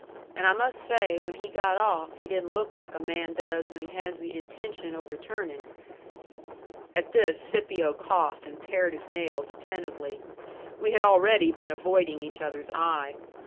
An' I mus' say, when he got off he didn't look like a man does when he has the intention o' returnin'." At this Scipio coughed, and pared his nails attentively. We had already been avoiding each other's eye.